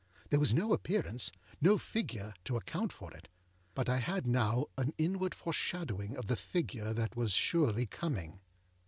There was no appearanceâno figureâto account for it; but I had now an inward foreshadowing of the figure that was surely coming.